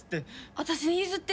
私に譲って！